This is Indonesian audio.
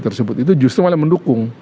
tersebut itu justru malah mendukung